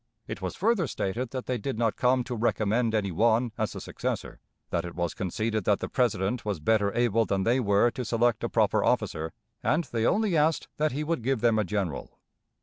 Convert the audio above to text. It was further stated that they did not come to recommend any one as the successor; that it was conceded that the President was better able than they were to select a proper officer, and they only asked that he would give them a general.